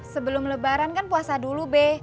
sebelum lebaran kan puasa dulu be